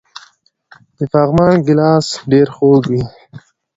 د پغمان ګیلاس ډیر خوږ وي.